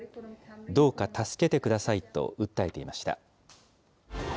どうか助けてくださいと訴えていました。